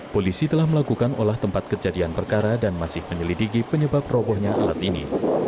polisi telah melakukan olah tempat kejadian perkara dan masih menyelidiki penyebab robohnya alat ini